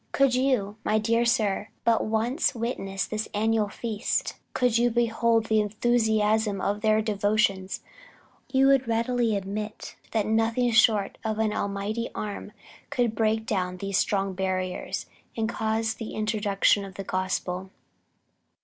Could you, my dear sir, but once witness this annual feast, could you behold the enthusiasm of their devotions, you would readily admit that nothing short of an Almighty arm could break down these strong barriers, and cause the introduction of the gospel."